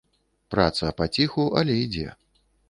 Праца паціху але ідзе.